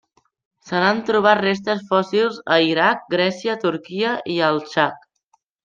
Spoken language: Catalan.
Se n'han trobat restes fòssils a Iraq, Grècia, Turquia i el Txad.